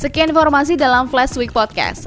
sekian informasi dalam flash week podcast